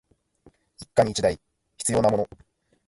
一家に一台必要なもの